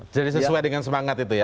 jadi sesuai dengan semangat itu ya